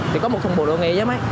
thì có một thùng bộ đội nghệ giống ấy